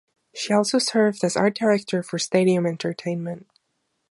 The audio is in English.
She also served as Art Director for Stadium Entertainment.